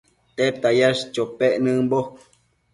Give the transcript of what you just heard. ¿Tedta yash chopec nëmbo ?